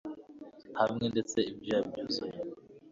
hamwe ndetse ibyuya byuzuye